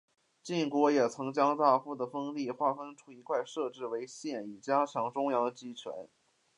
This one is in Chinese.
晋国也曾将大夫的封地划分出一块设置为县以加强中央集权。